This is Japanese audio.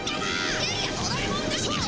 いやいやドラえもんでしょう。